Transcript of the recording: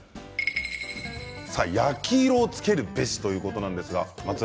焼き色をつけるべし、ということですが。